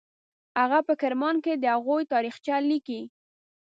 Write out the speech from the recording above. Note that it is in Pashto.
هغه په کرمان کې د هغوی تاریخچه لیکي.